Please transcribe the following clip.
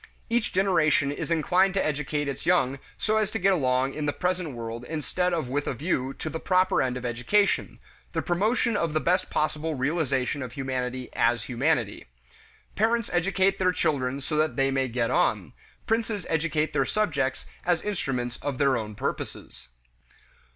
Each generation is inclined to educate its young so as to get along in the present world instead of with a view to the proper end of education: the promotion of the best possible realization of humanity as humanity. Parents educate their children so that they may get on; princes educate their subjects as instruments of their own purposes.